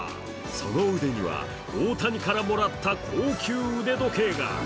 その腕には、大谷からもらった高級腕時計が。